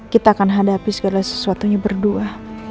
kita akan hadapi segala sesuatunya berdua